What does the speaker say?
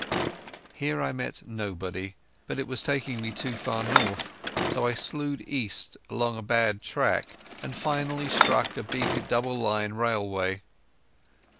Here I met nobody, but it was taking me too far north, so I slewed east along a bad track and finally struck a big double line railway.